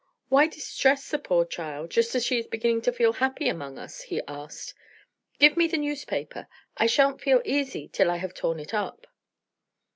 "Why distress the poor child, just as she is beginning to feel happy among us?" he asked. "Give me the newspaper; I shan't feel easy till I have torn it up."